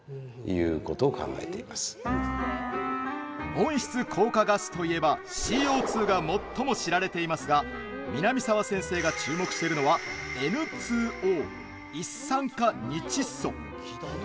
温室効果ガスといえばＣＯ２が最も知られていますが南澤先生が注目しているのはＮ２Ｏ、一酸化二窒素。